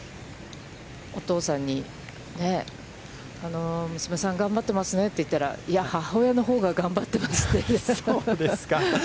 お父さんに、娘さん、頑張ってますねって言ったら、いや、母親のほうが頑張ってますって。